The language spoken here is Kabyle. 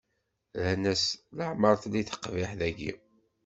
Rran-as: Leɛmeṛ telli tqeḥbit dagi.